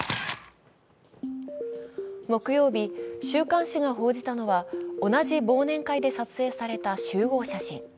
木曜日、週刊誌が報じたのは同じ忘年会で撮影された集合写真。